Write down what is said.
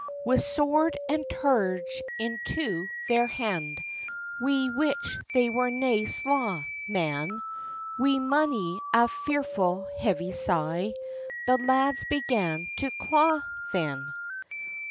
With sword and terge into their hand, Wi which they were nae slaw, man, Wi mony a fearful heavy sigh, The lads began to claw then.